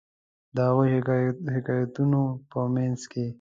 د هغو حکایتونو په منځ کې.